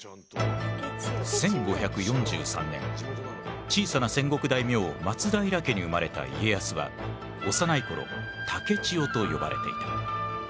１５４３年小さな戦国大名松平家に生まれた家康は幼い頃竹千代と呼ばれていた。